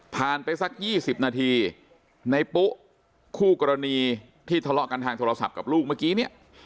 ไปสัก๒๐นาทีในปุ๊คู่กรณีที่ทะเลาะกันทางโทรศัพท์กับลูกเมื่อกี้เนี่ย